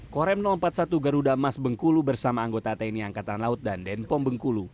korem empat puluh satu garuda emas bengkulu bersama anggota tni angkatan laut dan denpom bengkulu